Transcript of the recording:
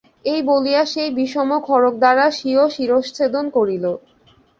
এই বলিয়া সেই বিষম খড়গ দ্বারা স্বীয় শিরশ্ছেদন করিল।